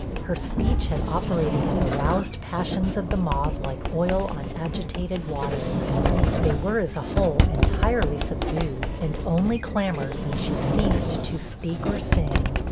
Her speech had operated on the roused passions of the mob like oil on agitated waters; they were, as a whole, entirely subdued, and only clamored when she ceased to speak or sing.